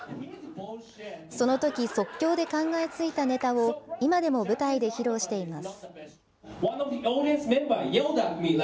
そのとき即興で考えついたネタを、今でも舞台で披露しています。